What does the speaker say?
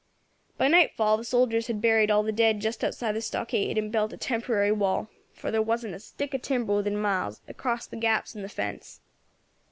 "By nightfall the soldiers had buried all the dead just outside the stockade, and had built a temporary wall for there wasn't a stick of timber within miles across the gaps in the fence.